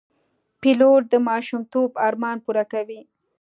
پیلوټ د ماشومتوب ارمان پوره کوي.